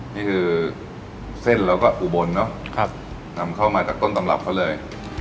นี่คือเส้นแล้วก็อุบลเนอะนำเข้ามาจากต้นตำรับเขาเลย